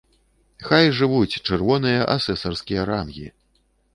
Хай жывуць чырвоныя асэсарскія рангі!